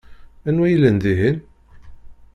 Anwa i yellan dihin?